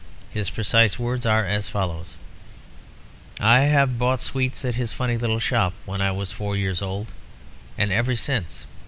His precise words are as follows: 'I have bought sweets at his funny little shop when I was four years old, and ever since.